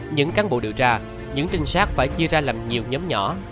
những cán bộ điều tra những trinh sát phải chia ra làm nhiều nhóm nhỏ